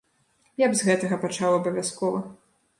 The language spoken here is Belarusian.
Я б з гэтага пачаў абавязкова.